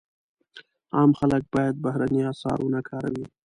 عام خلک باید بهرني اسعار ونه کاروي.